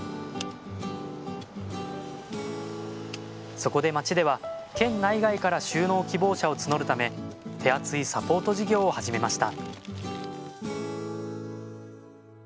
そこで町では県内外から就農希望者を募るため手厚いサポート事業を始めました